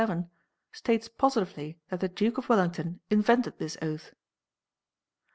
257) states positively that the Duke of Wellington invented this oath.